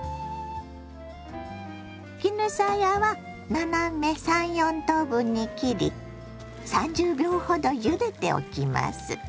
絹さやは斜め３４等分に切り３０秒ほどゆでておきます。